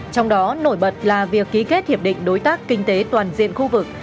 trong đó nổi bật là việc ký kết hiệp định đối tác kinh tế toàn diện khu vực